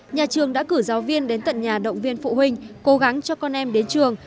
nhà trường đã cử giáo viên đến tận nhà động viên phụ huynh cố gắng cho con em đến trường